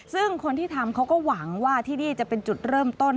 ซึ่งคนที่ทำเขาก็หวังว่าที่นี่จะเป็นจุดเริ่มต้น